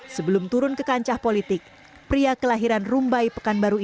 sebelum turun ke kancah politik pria kelahiran rumbai pekanbaru ini